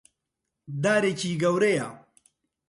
دارێکی گەورەیە.